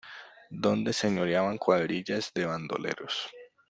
donde señoreaban cuadrillas de bandoleros: